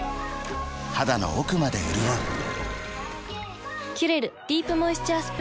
肌の奥まで潤う「キュレルディープモイスチャースプレー」